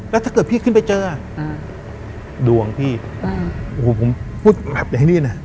แล้วถ้าเกิดพี่ขึ้นไปเจออ่าดวงพี่โอ้โหผมพูดแบบไอ้นี่น่ะ